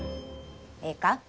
ええか？